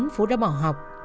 phú đã bỏ học